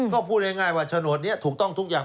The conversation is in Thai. ก็พูดง่ายว่าโฉนดนี้ถูกต้องทุกอย่าง